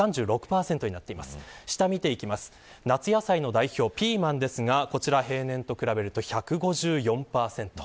夏野菜の代表ピーマンですが平年と比べると１５４％。